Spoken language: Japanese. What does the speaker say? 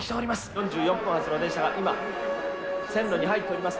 ４４分発の電車が今、線路に入っております。